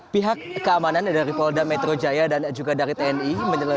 pihak keamanan dari polda metro jaya dan juga dari tni